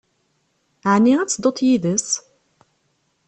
Ɛni ad tedduḍ yid-s?